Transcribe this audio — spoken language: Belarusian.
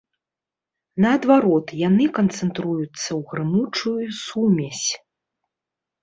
Наадварот, яны канцэнтруюцца ў грымучую сумесь.